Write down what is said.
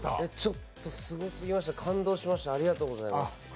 ちょっとすごすぎました、感動しました、ありがとうございます。